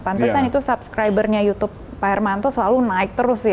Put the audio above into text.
pantesan itu subscribernya youtube pak hermanto selalu naik terus ya